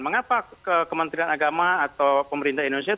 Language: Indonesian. mengapa kementerian agama atau pemerintah indonesia